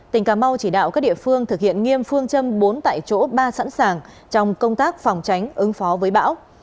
tỉnh cà mau chỉ đạo các địa phương thực hiện nghiêm phương châm bốn tại chỗ ba sẵn sàng trong công tác phòng tránh ứng phó với bão